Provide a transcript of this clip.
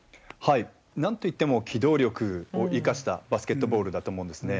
なんといっても、機動力を生かしたバスケットボールだと思うんですね。